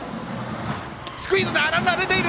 スクイズ、ランナー出ていた！